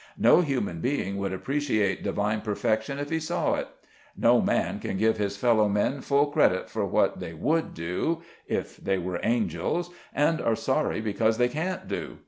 No human being would appreciate divine perfection if he saw it; no man can give his fellow men full credit for what they would do, if they were angels, and are sorry because they can't do.